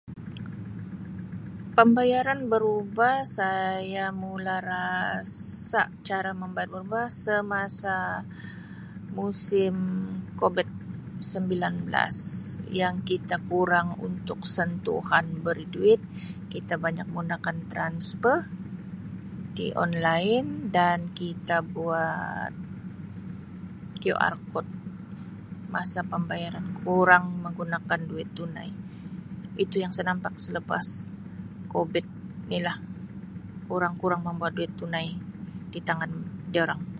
pembayaran berubah saya mula rasa cara membayar berubah semasa musim kobit sembilan belas yang kita kurang untuk sentuhan berduit kita banyak gunakan trasper di online dan kita buat qr code masa pembayaran kurang menggunakan duit tunai itu yang saya nampak selepas kobit ni lah orang kurang membawa duit tunai di tangan diorang.